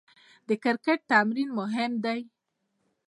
د کرکټ تمرین مهم دئ.